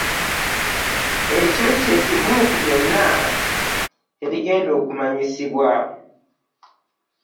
Ekyo ky'ekimu ku byonna ebigenda okumanyisibwa.